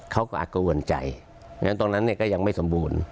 เขาก็อนอุ่นใจงั้นตรงนั้นก็ยังไม่สมบูรณ์